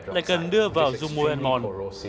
lại cần đưa vào dung môi anon